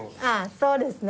そうですね。